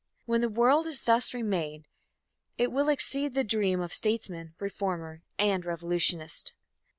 When the world is thus remade, it will exceed the dream of statesman, reformer and revolutionist.